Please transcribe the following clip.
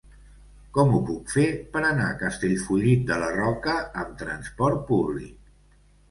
Com ho puc fer per anar a Castellfollit de la Roca amb trasport públic?